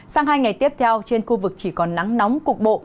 sang hai ngày tiếp theo trên khu vực chỉ còn nắng nóng cục bộ